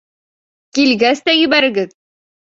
Килгәс тә ебәрегеҙ!